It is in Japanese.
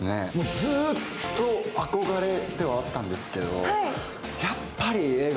ずーっと憧れではあったんですけど。